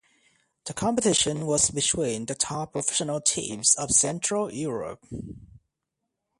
The competition was between the top professional teams of Central Europe.